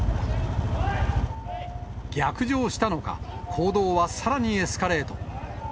逆上したのか、行動はさらにエスカレート。